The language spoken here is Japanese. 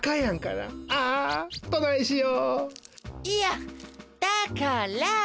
いやだから。